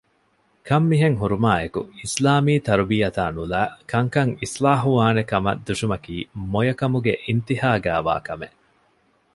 ކަންމިހެންހުރުމާއެކު އިސްލާމީ ތަރުބިޔަތާ ނުލައި ކަންކަން އިޞްލާޙުވާނެކަމަށް ދުށުމަކީ މޮޔަކަމުގެ އިންތިހާގައިވާ ކަމެއް